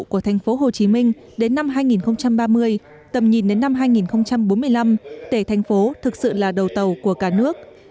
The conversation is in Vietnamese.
của thành phố hồ chí minh đến năm hai nghìn ba mươi tầm nhìn đến năm hai nghìn bốn mươi năm để thành phố thực sự là đầu tàu của cả nước